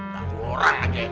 tak boleh orang lagi